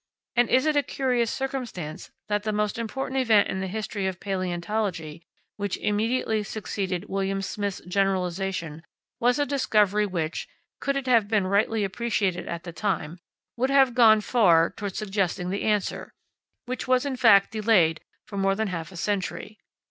And it is a curious circumstance that the most important event in the history of palaeontology which immediately succeeded William Smith's generalisation was a discovery which, could it have been rightly appreciated at the time, would have gone far towards suggesting the answer, which was in fact delayed for more than half a century.